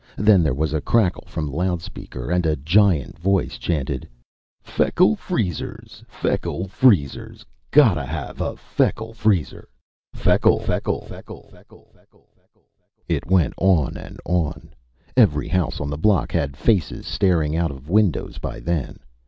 Then there was a crackle from the speaker, and a giant voice chanted: "Feckle Freezers! Feckle Freezers! Gotta have a Feckle Freezer! Feckle, Feckle, Feckle, Feckle, Feckle, Feckle " It went on and on. Every house on the block had faces staring out of windows by then.